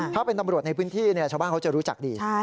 ถ้าเป็นตำรวจในพื้นที่ชาวบ้านเขาจะรู้จักดี